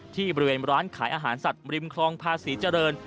ที่บริเวณร้านขายอาหารสัตว์ริมคลองภาษีเจริญ